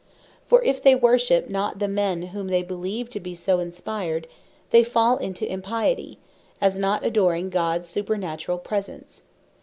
For if they worship not the men whom they beleeve to be so inspired, they fall into Impiety; as not adoring Gods supernaturall Presence.